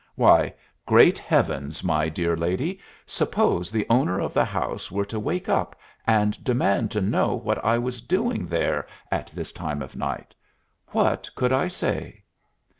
Why, great heavens, my dear lady, suppose the owner of the house were to wake up and demand to know what I was doing there at this time of night? What could I say?"